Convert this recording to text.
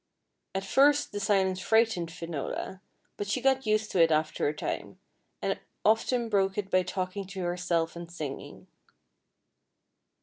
At first the silence frightened Finola, but she got used to it after a time, and often broke it by talking to herself and singing.